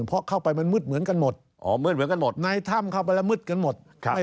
เพราะเข้าไปมันมืดเหมือนกันหมด